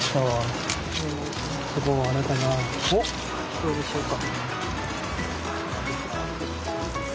どうでしょうか？